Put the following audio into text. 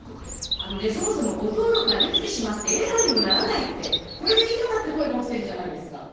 あのね、そもそも誤登録ができてしまって、エラーにもならないって、これでいいのかって声が起きてるじゃないですか。